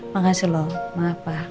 makasih loh ma'apa